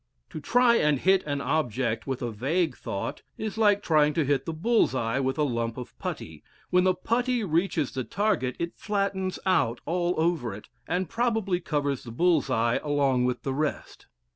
To try and hit an object with a vague thought is like trying to hit the bull's eye with a lump of putty: when the putty reaches the target, it flattens out all over it, and probably covers the bull's eye along with the rest.